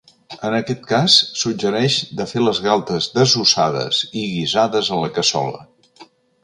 En aquest cas, suggereix de fer les galtes desossades i guisades a la cassola.